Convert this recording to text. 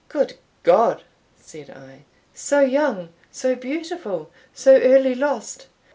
"Good God!" said I "so young, so beautiful, so early lost!"